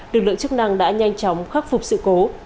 lực lượng chức năng đã nhanh chóng khắc phục sự cố